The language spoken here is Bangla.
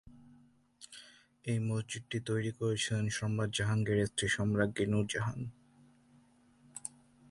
এই মসজিদটি তৈরি করেছিলেন সম্রাট জাহাঙ্গীরের স্ত্রী সম্রাজ্ঞী নূর জাহান।